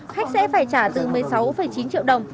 khách sẽ phải trả từ một mươi sáu chín triệu đồng